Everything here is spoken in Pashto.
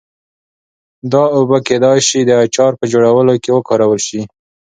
دا اوبه کېدای شي د اچار په جوړولو کې وکارول شي.